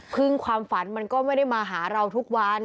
ความฝันมันก็ไม่ได้มาหาเราทุกวัน